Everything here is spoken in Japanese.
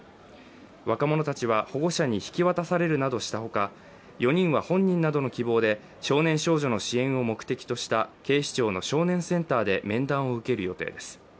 若者たちは保護者に引き渡されるなどしたほか４人は本人などの希望で少年少女の支援を目的とした警視庁の少年センターで面談を受ける予定です。